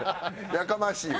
やかましいわ。